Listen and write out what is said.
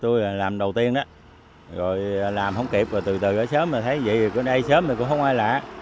tôi làm đầu tiên làm không kịp rồi từ từ sớm thấy vậy sớm thì không ai lạ